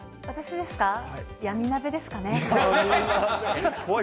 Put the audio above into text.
私ですか？